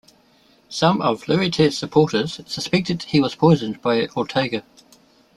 Some of Lewites supporters suspected he was poisoned by Ortega.